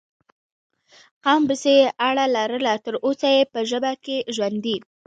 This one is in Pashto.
قوم پسې یې اړه لرله، تر اوسه یې په ژبه کې ژوندی